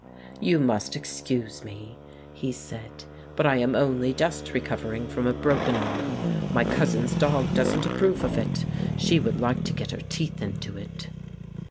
"You must excuse me," he said, "but I am only just recovering from a broken arm. My cousin's dog doesn't approve of it; she would like to get her teeth into it."